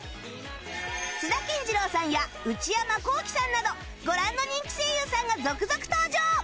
津田健次郎さんや内山昂輝さんなどご覧の人気声優さんが続々登場